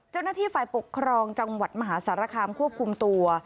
เจ้าหน้าที่ฝ่ายปกครองจังหวัดมหาสารคามควบคุมตัว